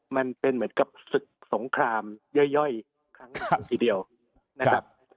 มันเป็นเหมือนกับศึกสงครามย่อยครั้งหนึ่งทีเดียวนะครับ